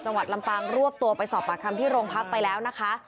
ลำปางรวบตัวไปสอบปากคำที่โรงพักไปแล้วนะคะ